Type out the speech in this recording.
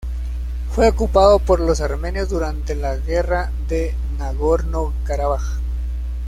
Fue ocupado por los armenios durante la guerra de Nagorno-Karabaj.